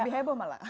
lebih heboh malah